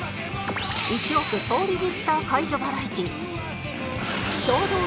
『一億総リミッター解除バラエティ』